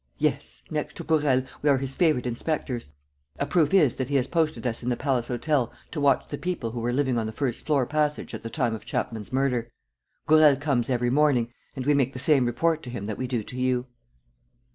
"Yes. Next to Gourel, we are his favorite inspectors. A proof is that he has posted us in the Palace Hotel to watch the people who were living on the first floor passage at the time of Chapman's murder. Gourel comes every morning, and we make the same report to him that we do to you."